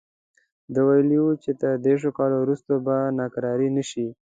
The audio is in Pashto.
ده ویلي وو چې تر دېرش کاله وروسته به ناکراري نه شي.